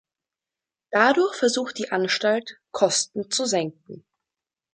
Dadurch versucht die Anstalt, Kosten zu senken.